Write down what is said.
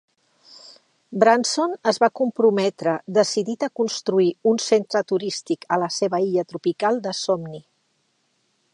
Branson es va comprometre, decidit a construir un centre turístic a la seva illa tropical de somni.